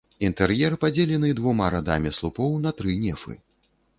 Інтэр'ер падзелены двума радамі слупоў на тры нефы.